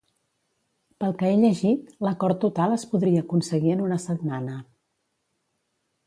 Pel que he llegit, l'acord total es podria aconseguir en una setmana.